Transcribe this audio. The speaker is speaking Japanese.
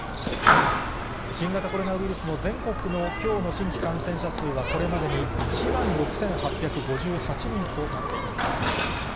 新型コロナウイルスの全国のきょうの新規感染者数は、これまでに１万６８５８人となっています。